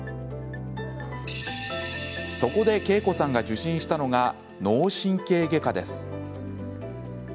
そこでケイコさんが受診したのが脳神経外科です。